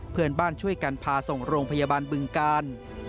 เพื่อนบ้านช่วยกันพาส่งโรงพยาบาลบึงกาล